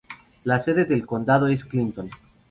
La sede del condado es Clinton.